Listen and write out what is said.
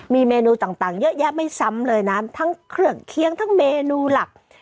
มีเมนูต่างเยอะแยะไม่ซ้ำเลยนะทั้งเครื่องเคียงทั้งเมนูหลัก